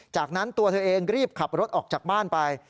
จากนั้นตัวเธอเองรีบขับรถออกจากบ้านไป